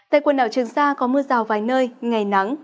tại quần đảo trường sa có mưa rào vài nơi ngày nắng